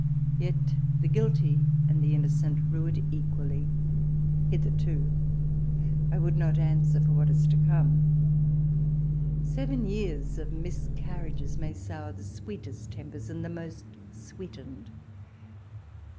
Yet the guilty and the innocent rue it equally hitherto ! I would not answer for what is to come ! Seven years of miscarriages may sour the sweetest tempers, and the most sweetened.